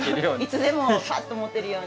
いつでもサッと持てるように。